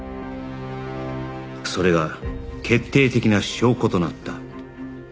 それが決定的な証拠となった